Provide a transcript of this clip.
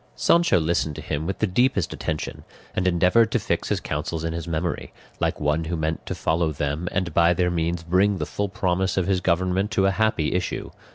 Sancho listened to him with the deepest attention, and endeavoured to fix his counsels in his memory, like one who meant to follow them and by their means bring the full promise of his government to a happy issue.